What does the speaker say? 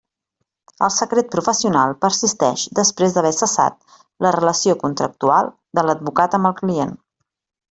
El secret professional persisteix després d'haver cessat la relació contractual de l'advocat amb el client.